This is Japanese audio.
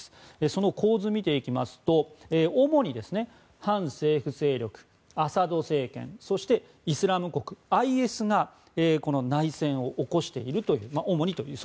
その構図を見ていきますと主に反政府勢力アサド政権、そしてイスラム国ＩＳが内戦を起こしていると。